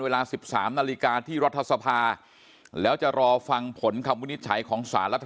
เวลา๑๓นาฬิกาที่รัฐสภาแล้วจะรอฟังผลคำวินิจฉัยของสารรัฐ